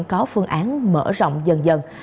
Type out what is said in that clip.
có phương án mở rộng dần dần